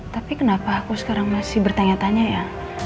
tapi kenapa aku sekarang masih bertanya tanya ya